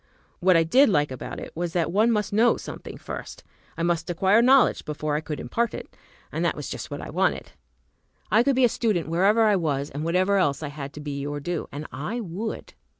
What I did like about it was that one must know something first. I must acquire knowledge before I could impart it, and that was just what I wanted. I could be a student, wherever I was and whatever else I had to be or do, and I would!